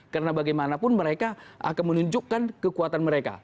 karena bagaimanapun mereka akan menunjukkan kekuatan mereka